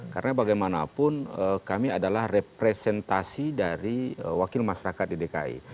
karena bagaimanapun kami adalah representasi dari wakil masyarakat di dki